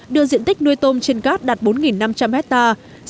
đưa diện tích nuôi tôm trên cát đạt bốn năm trăm linh hectare